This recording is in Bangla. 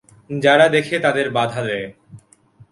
যারা দেখে তাদের বাধা দেয়।